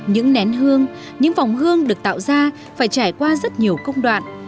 những nén hương những vòng hương được tạo ra phải trải qua rất nhiều công đoạn